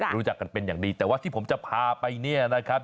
รู้จักกันเป็นอย่างดีแต่ว่าที่ผมจะพาไปเนี่ยนะครับ